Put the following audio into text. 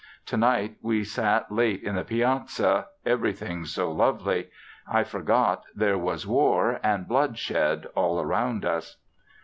Tonight we sat late in the piazza, everything so lovely! I forgot there was war and bloodshed all around us.